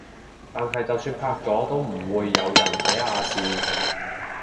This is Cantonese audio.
但係就算拍咗都唔會有人睇亞視